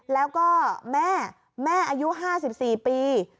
แล้วก็แม่แม่อายุ๕๔ปี